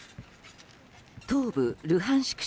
東部ルハンシク